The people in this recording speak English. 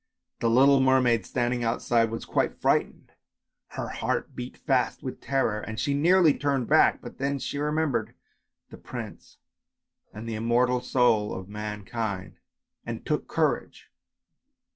The little mermaid standing outside was quite frightened, her heart beat fast with terror and she nearly turned back, but then she remembered the prince and the immortal soul of mankind and took courage.